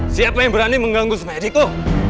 siapa yang berani mengganggu smaediko